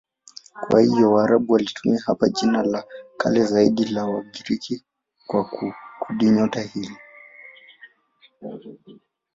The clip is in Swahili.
Kwa hiyo Waarabu walitumia hapa jina la kale zaidi la Wagiriki kwa kundinyota hili.